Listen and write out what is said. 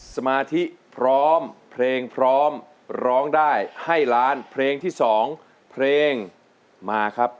สมาธิพร้อมเพลงพร้อมร้องได้ให้ล้านเพลงที่๒เพลงมาครับ